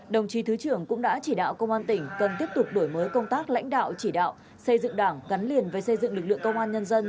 đồng chí thứ trưởng cũng đã chỉ đạo công an tỉnh cần tiếp tục đổi mới công tác lãnh đạo chỉ đạo xây dựng đảng gắn liền với xây dựng lực lượng công an nhân dân